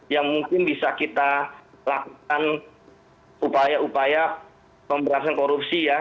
yang mungkin bisa kita lakukan upaya upaya pemberantasan korupsi ya